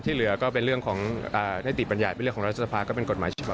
เหลือก็เป็นเรื่องของนิติบัญญัติเป็นเรื่องของรัฐสภาก็เป็นกฎหมายฉบับ